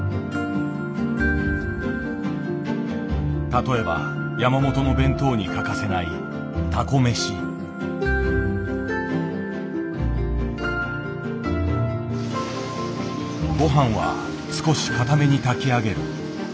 例えば山本の弁当に欠かせないごはんは少しかために炊き上げる。